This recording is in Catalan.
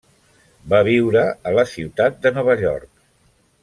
Va viure a la ciutat de Nova York.